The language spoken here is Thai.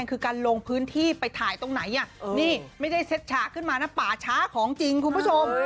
ขึ้นมานะป่าช้าของจริงคุณผู้ชม